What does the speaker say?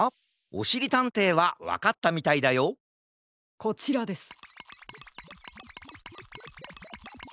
おしりたんていはわかったみたいだよこちらです。